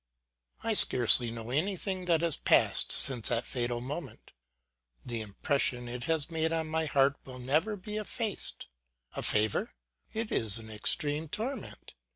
I scarce know anything that has passed since that fatal moment. The impression it has made on my heart will never be effaced. A favor? ŌĆö it is an extreme torment.